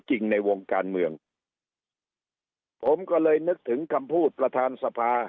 จริงในวงการเมืองผมก็เลยนึกถึงคำพูดประธานสภา